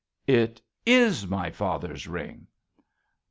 It is My father's ring.